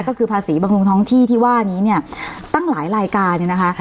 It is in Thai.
ก็คือภาษีบำรุงท้องที่ที่ว่านี้เนี่ยตั้งหลายรายการเนี่ยนะคะ